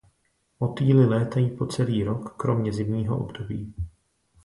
Motýli létají po celý rok kromě zimního období.